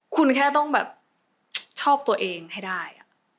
คุณแค่ต้องแบบชอบตัวเองให้ได้